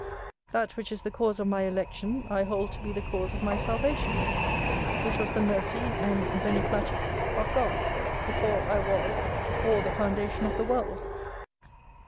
That which is the cause of my election, I hold to be the cause of my salvation, which was the mercy and beneplacit of God, before I was, or the foundation of the world.